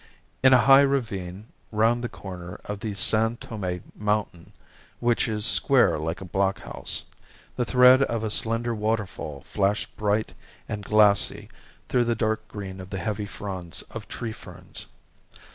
In a high ravine round the corner of the San Tome mountain (which is square like a blockhouse) the thread of a slender waterfall flashed bright and glassy through the dark green of the heavy fronds of tree ferns.